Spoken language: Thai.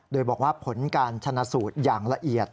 โดยบอกว่าผลการชนะสูตรอย่างละเอียด